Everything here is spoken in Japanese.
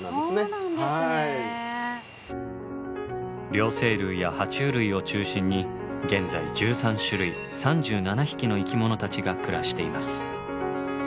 両生類やは虫類を中心に現在１３種類３７匹の生き物たちが暮らしています。